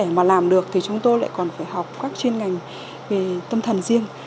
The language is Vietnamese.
để mà làm được thì chúng tôi lại còn phải học các chuyên ngành về tâm thần riêng